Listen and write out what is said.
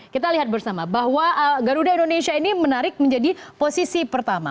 kita lihat bersama bahwa garuda indonesia ini menarik menjadi posisi pertama